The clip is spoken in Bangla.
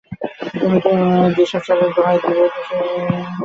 তুমি তোমার দেশাচারের দোহাই দিবে, তিনি তাঁহার দেশাচারের দোহাই দিবেন।